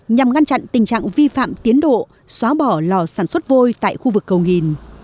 nhằm ngăn chặn tình trạng vi phạm tiến độ xóa bỏ lò sản xuất vôi tại khu vực cầu nghìn